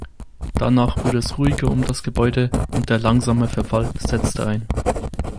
Danach wurde es ruhiger um das Gebäude und der langsame Verfall setzte ein.